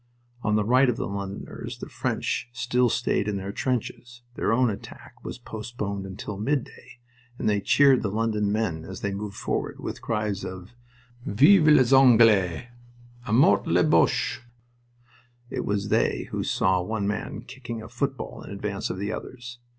On the right of the Londoners the French still stayed in their trenches their own attack was postponed until midday and they cheered the London men, as they went forward, with cries of, "Vivent les Angdais!" "A mort les Boches!" It was they who saw one man kicking a football in advance of the others.